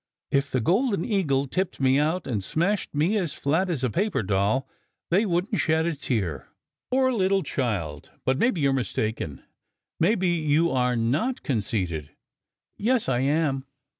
If the Golden Eagle tipped me out, and smashed me as flat as a paper doll, they wouldn t shed a tear." " Poor little child ! But maybe you re mistaken. Maybe you are not conceited!" "Yes, I am!